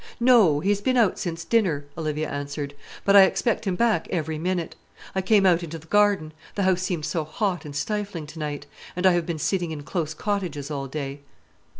"No; he has been out since dinner," Olivia answered; "but I expect him back every minute. I came out into the garden, the house seemed so hot and stifling to night, and I have been sitting in close cottages all day."